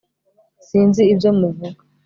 sinzi ibyo muvuga